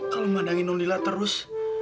kalau mandangin non lila terus